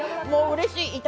もううれしい！